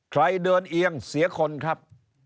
ใครเดินเอียงเสียคนครับ